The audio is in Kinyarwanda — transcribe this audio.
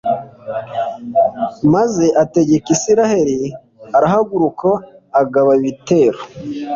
maze ategeka israheli. arahaguruka agaba ibitero